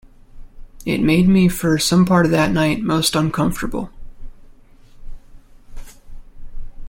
It made me for some part of that night most uncomfortable.